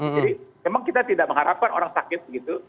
jadi memang kita tidak mengharapkan orang sakit begitu